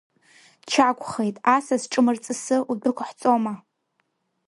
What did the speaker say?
Чагәхеит, асас ҿымырҵысы удәықәҳҵома?